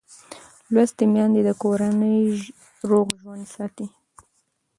لوستې میندې د کورنۍ روغ ژوند ساتي.